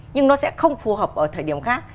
nhưng nó sẽ không phù hợp ở thời điểm khác